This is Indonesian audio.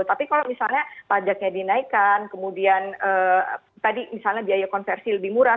tapi kalau misalnya pajaknya dinaikkan kemudian tadi misalnya biaya konversi lebih murah